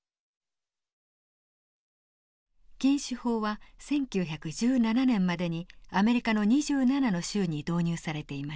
禁酒法は１９１７年までにアメリカの２７の州に導入されていました。